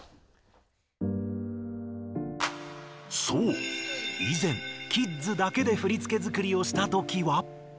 そういぜんキッズだけで振付づくりをしたときは。